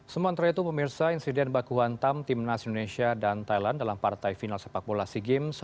semua antara itu memirsa insiden baku hantam tim nasi indonesia dan thailand dalam partai final sepak bola sea games